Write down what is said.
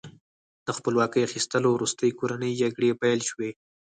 د خپلواکۍ اخیستلو وروسته کورنۍ جګړې پیل شوې.